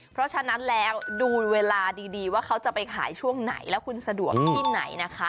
เพราะฉะนั้นแล้วดูเวลาดีว่าเขาจะไปขายช่วงไหนแล้วคุณสะดวกที่ไหนนะคะ